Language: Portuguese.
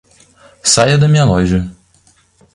Saia da minha loja.